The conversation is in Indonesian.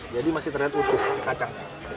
jadi masih terlihat utuh kacangnya